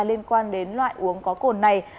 liên quan đến loại uống có cồn này